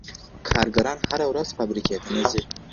کارګران هره ورځ فابریکي ته نه ځي.